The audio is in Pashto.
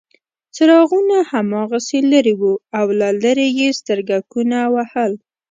څراغونه هماغسې لرې وو او له لرې یې سترګکونه وهل.